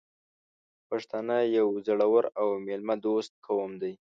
پښتانه یو زړور او میلمه دوست قوم دی .